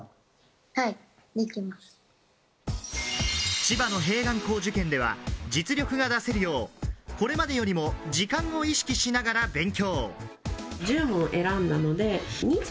千葉の併願校受験では実力が出せるよう、これまでよりも時間を意識しながら勉強。